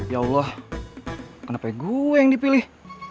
ya allah kenapa gue yang dipilih